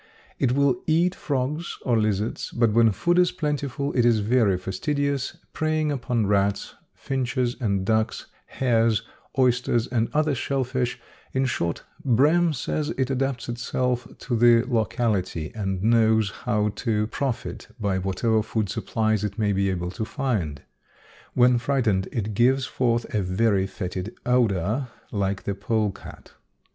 It will eat frogs or lizards, but when food is plentiful it is very fastidious, preying upon rats, finches and ducks, hares, oysters and other shell fish; in short, Brehm says it adapts itself to the locality and knows how to profit by whatever food supplies it may be able to find. When frightened it gives forth a very fetid odor like the polecat.